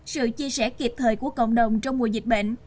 sự chia sẻ kịp thời của cộng đồng trong mùa dịch bệnh